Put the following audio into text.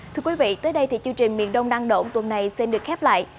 thưa quý vị tới đây thì chương trình miền đông đăng độn tuần này xin được khép lại